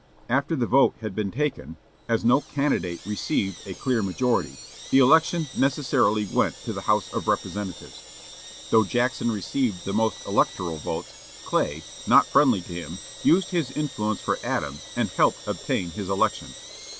After the vote had been taken, as no candidate received a clear majority, the election necessarily went to the House of Representatives. Though Jackson received the most electoral votes, Clay, not friendly to him, used his influence for Adams and helped obtain his election.